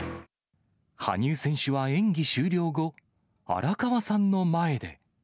羽生選手は演技終了後、荒川さんの前で。